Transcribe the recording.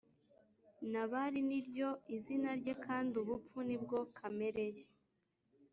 Nabali ni ryo izina rye kandi ubupfu ni bwo kamere ye.